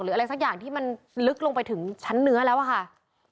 อะไรสักอย่างที่มันลึกลงไปถึงชั้นเนื้อแล้วอะค่ะ